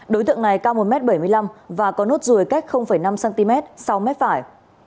đối tượng này cao một m bảy mươi năm và có nốt ruồi cách năm cm sáu m phải